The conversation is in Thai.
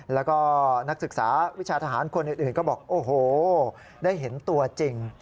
แล้วก็นักศึกษาวิชาทหารคนอื่นก็บอกโอ้โหได้เห็นตัวจริง